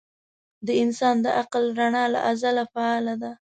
د انسان د عقل رڼا له ازله فعاله ده.